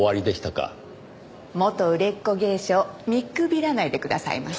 元売れっ子芸者を見くびらないでくださいまし。